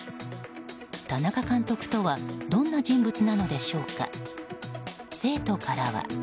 田中監督とはどんな人物なのでしょうか。